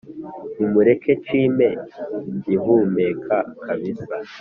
nimureke nshime nkihumeka kabisa